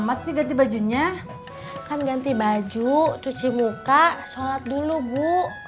lama lama sih ganti bajunya kan ganti baju cuci muka shalat dulu bu